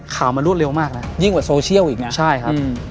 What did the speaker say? ข่าวมันรวดเร็วมากนะยิ่งกว่าโซเชียลอีกนะใช่ครับ